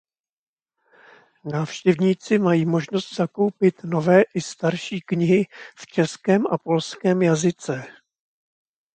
Návštěvníci mají možnost zakoupit nové i starší knihy v českém a polském jazyce.